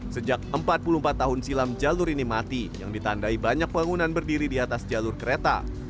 sejak empat puluh empat tahun silam jalur ini mati yang ditandai banyak bangunan berdiri di atas jalur kereta